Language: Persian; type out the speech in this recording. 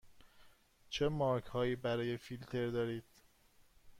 چه مارک هایی با فیلتر دارید؟